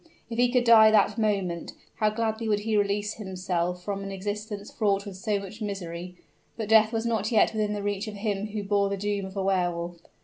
if he could die that moment, how gladly would he release himself from an existence fraught with so much misery; but death was not yet within the reach of him who bore the doom of a Wehr Wolf!